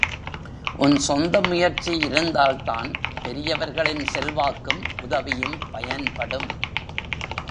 உன் சொந்த முயற்சி இருந்தால்தான் பெரியவர்களின் செல்வாக்கும் உதவியும் பயன்படும்.